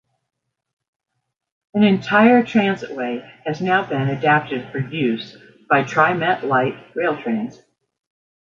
The entire transitway has now been adapted for use by TriMet light rail trains.